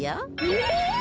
えっ！？